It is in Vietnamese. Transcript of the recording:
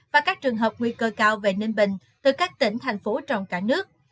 và các trường hợp nguy cơ cao về ninh bình từ các tỉnh thành phố trong cả nước